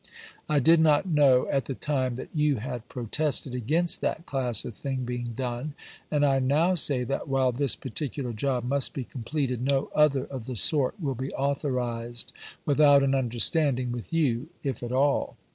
I did not know at the time that you had protested against that class of thing being done ; and I now say that while this particular job must be completed, no other of the sort will be authorized, without an understanding with you, if at all.